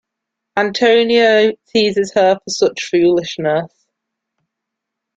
Antonio teases her for such foolishness.